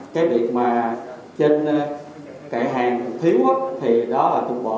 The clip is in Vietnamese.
cái việc mà trên cải hàng thiếu thì đó là cục bộ